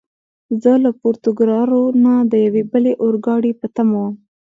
زه له پورتوګرارو نه د یوې بلې اورګاډي په تمه ووم.